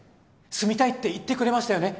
住みたいって言ってくれましたよね？